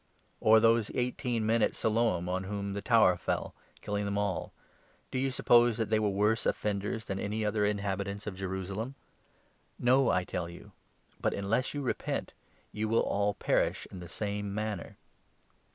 Or those eighteen 4 men at Siloam on whom the tower fell, killing them all, do you suppose that they were worse offenders than any other inhabitants of Jerusalem ? No, I tell you ; but, unless you 5 repent, you will all perish in the same manner."